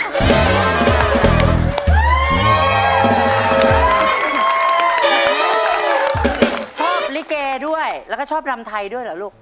ชอบลิเกด้วยแล้วก็ชอบรำไทยด้วยเหรอลูก